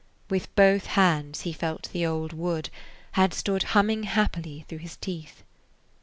With both hands he felt the old wood, and stood humming happily through his teeth.